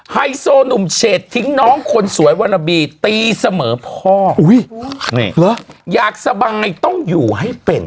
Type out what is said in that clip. ไฮโซหนุ่มเฉดทิ้งน้องคนสวยวรบีตีเสมอพ่ออยากสบายต้องอยู่ให้เป็น